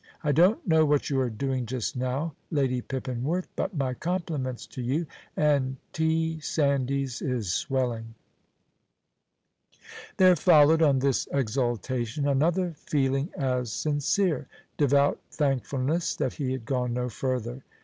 I don't know what you are doing just now, Lady Pippinworth, but my compliments to you, and T. Sandys is swelling. There followed on this exultation another feeling as sincere devout thankfulness that he had gone no further.